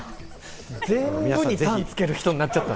全部に「たん」をつける人になっちゃった。